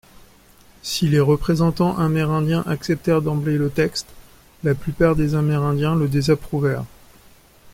Si les représentants amérindiens acceptèrent d'emblée le texte, la plupart des Amérindiens le désapprouvèrent.